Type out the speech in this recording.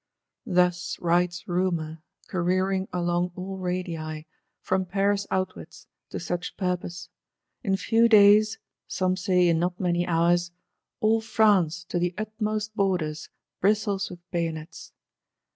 Thus rides Rumour, careering along all radii, from Paris outwards, to such purpose: in few days, some say in not many hours, all France to the utmost borders bristles with bayonets.